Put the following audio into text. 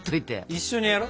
一緒にやろ。